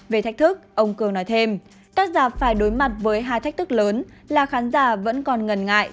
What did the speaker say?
về thách thức ông cương nói thêm các giảm phải đối mặt với hai thách thức lớn là khán giả vẫn còn ngần ngại